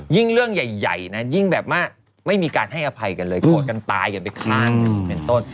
ยังเรื่องใหญ่ยังไม่มีการให้อภัยกันเลยโดดกันตายกันคล้างจากคุณเร็นโต้น